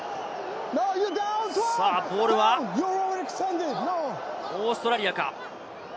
ボールはオーストラリアか。